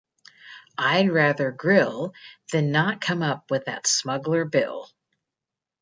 I'd rather grill than not come up with that Smuggler Bill.